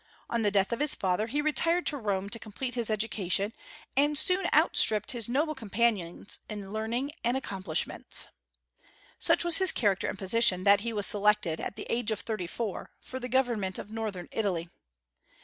On the death of his father he retired to Rome to complete his education, and soon outstripped his noble companions in learning and accomplishments. Such was his character and position that he was selected, at the age of thirty four, for the government of Northern Italy.